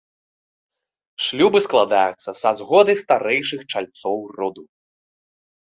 Шлюбы складаюцца са згоды старэйшых чальцоў роду.